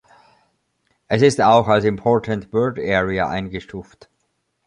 Es ist auch als Important Bird Area eingestuft.